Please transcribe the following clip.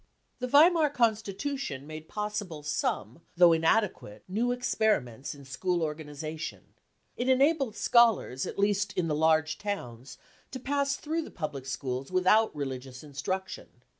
The Weimar Constitution made possible some, though inadequate, new experiments in school organisation. It enabled scholars, at least in the large towns, to pass through the public schools without religious instruction.